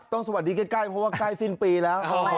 สวัสดีใกล้เพราะว่าใกล้สิ้นปีแล้ว